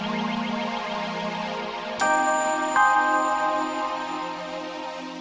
neng aba sih